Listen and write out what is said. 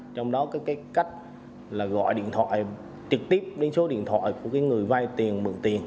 trong đó cái cách là gọi điện thoại trực tiếp đến số điện thoại của người vay tiền mượn tiền